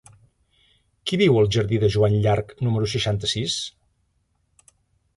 Qui viu al jardí de Joan Llarch número seixanta-sis?